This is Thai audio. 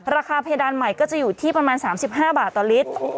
ราคาเพดานใหม่ก็จะอยู่ที่ประมาณ๓๕บาทต่อลิตร